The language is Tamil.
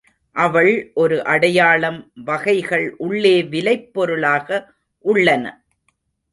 அவள் ஒரு அடையாளம் வகைகள் உள்ளே விலைப்பொருளாக உள்ளன.